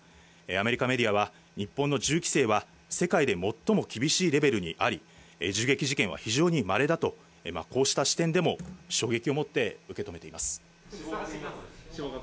アメリカメディアは、日本の銃規制は世界で最も厳しいレベルにあり、銃撃事件は非常にまれだと、こうした視点でも衝撃を持って受け止めています。